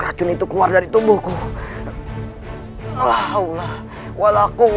racun itu keluar dari tubuhku